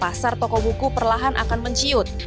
pasar toko buku perlahan akan menciut